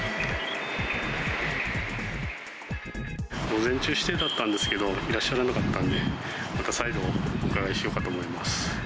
午前中指定だったんですけど、いらっしゃらなかったんで、また再度、お伺いしようかと思います。